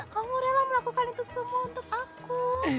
kamu rela melakukan itu semua untuk aku